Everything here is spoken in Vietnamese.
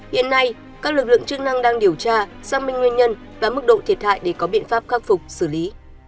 hiện nay các lực lượng chức năng đang điều tra xác minh nguyên nhân và mức độ thiệt hại để có biện pháp khắc phục xử lý